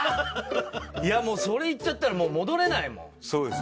それいっちゃったらもう戻れないもん。